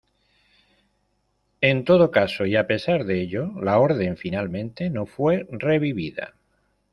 En todo caso y a pesar de ello la orden finalmente no fue revivida.